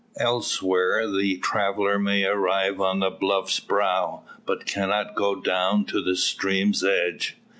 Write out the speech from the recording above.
Elsewhere, the traveller may arrive on the bluff's brow, but cannot go down to the stream's edge.